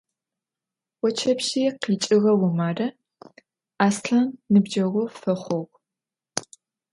Voçepşıê khiç'ığe Vumare Aslhan nıbceğu fexhuğ.